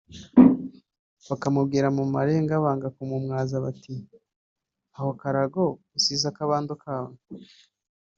bakamubwira mu marenga banga kumumwaza bati “Aho karago usize akabando kawe